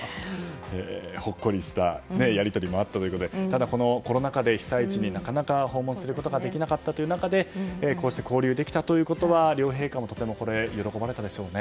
ほっこりしたやり取りもあったということでただ、コロナ禍で被災地になかなか訪問することができなかったという中でこうして交流できたということは両陛下もとても喜ばれたでしょうね。